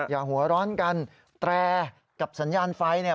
อย่าหัวร้อนกันแตรกับสัญญาณไฟเนี่ย